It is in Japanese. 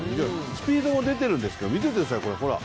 スピードも出てるんですけど、見てください、ほら。